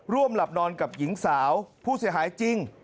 หลับนอนกับหญิงสาวผู้เสียหายจริง